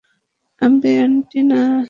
আবে আন্টি না।